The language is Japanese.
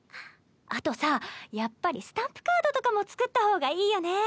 あとさやっぱりスタンプカードとかも作った方がいいよね。